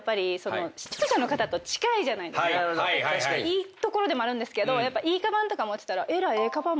いいところでもあるんですけどいいカバンとか持ってたら。